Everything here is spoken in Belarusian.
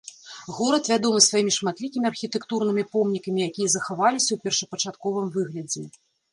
Горад вядомы сваімі шматлікімі архітэктурнымі помнікамі, якія захаваліся ў першапачатковым выглядзе.